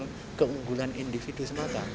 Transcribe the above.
bukan keunggulan individu semata